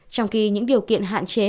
trong khi những điều kiện hạn chế